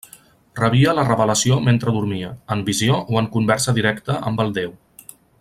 Rebia la revelació mentre dormia, en visió o en conversa directa amb el déu.